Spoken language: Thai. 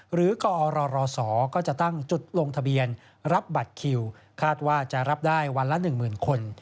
หรือกอรศก็จะตั้งจุดลงทะเบียนรับบัตรคิวคาดว่าจะรับได้วันละ๑๐๐๐คน